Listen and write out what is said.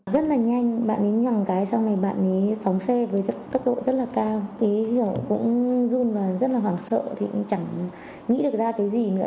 rất là hoảng sợ thì cũng chẳng nghĩ được ra cái gì nữa